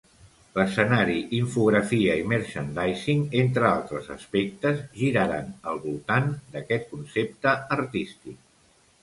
L'escenari, infografia i merchandising, entre altres aspectes, giraren al voltant d'aquest concepte artístic.